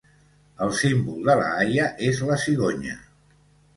El símbol de La Haia és la cigonya.